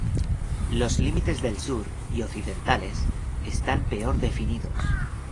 Los límites del sur y occidentales están peor definidos.